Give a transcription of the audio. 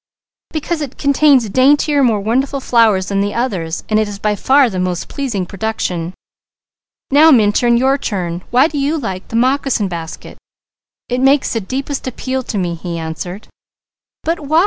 "Because it contains daintier, more wonderful flowers than the others, and is by far the most pleasing production." "Now Minturn, your turn. Why do you like the moccasin basket?" "It makes the deepest appeal to me," he answered. "But why?"